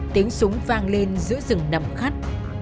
tiếng súng vang lên giữa rừng nầm khắt